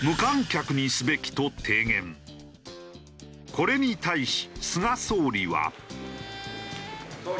これに対し菅総理は。